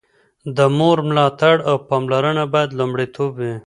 د مور ملاتړ او پاملرنه باید لومړیتوب وي.